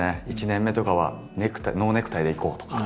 １年目とかはノーネクタイでいこうとか。